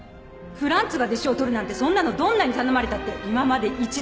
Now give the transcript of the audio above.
フランツが弟子を取るなんてそんなのどんなに頼まれたって今まで一度もなかったことなのよ。